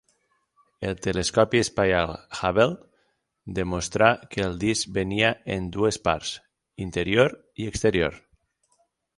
El Telescopi Espacial Hubble demostrà que el disc venia en dues parts, interior i exterior.